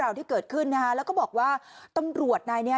ที่เกิดขึ้นนะฮะแล้วก็บอกว่าตำรวจนายเนี้ย